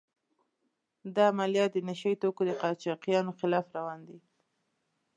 دا عملیات د نشه يي توکو د قاچاقچیانو خلاف روان دي.